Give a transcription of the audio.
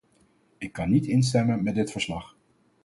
Ik kan niet instemmen met dit verslag.